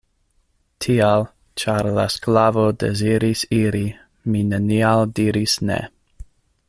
Tial, ĉar la sklavo deziris iri, mi nenial diris ne.